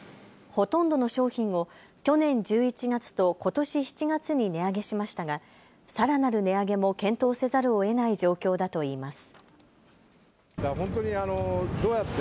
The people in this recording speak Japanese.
ほとんどの商品を去年１１月とことし７月に値上げしましたがさらなる値上げも検討せざるをえない状況だといいます。